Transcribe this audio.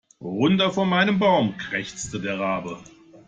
Runter von meinem Baum, krächzte der Rabe.